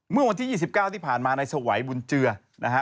เมื่อวันที่๒๙ที่ผ่านมาในสวัยบุญเจือนะฮะ